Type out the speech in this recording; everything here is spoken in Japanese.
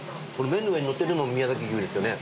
麺の上に載ってるのも宮崎牛ですよね？